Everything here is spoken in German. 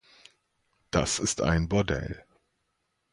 Das ist ein Bordell.